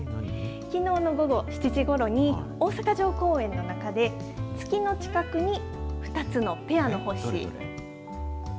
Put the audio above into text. きのうの午後７時ごろに、大阪城公園の中で、月の近くに２つのペアの星。